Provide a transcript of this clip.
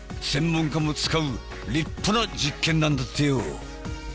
専門家も使う立派な実験なんだってよ。